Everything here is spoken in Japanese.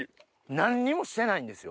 何にもしてないんですよ。